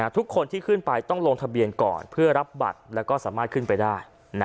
ทุกคนที่ขึ้นไปต้องลงทะเบียนก่อนเพื่อรับบัตรแล้วก็สามารถขึ้นไปได้